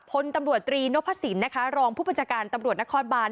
พลตำรวจตรีนพสินนะคะรองผู้บัญชาการตำรวจนครบาน